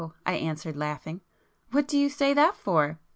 I answered laughing—"What do you say that for?"